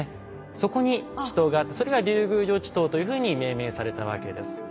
そこに池溏があってそれが竜宮城池溏というふうに命名されたわけです。